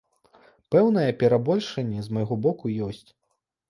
Пэўнае перабольшанне з майго боку ёсць.